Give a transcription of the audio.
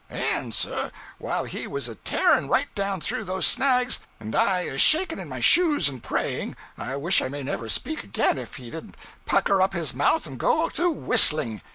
And, sir, while he was a tearing right down through those snags, and I a shaking in my shoes and praying, I wish I may never speak again if he didn't pucker up his mouth and go to whistling!